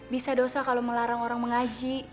bisa dosa kalau melarang orang mengaji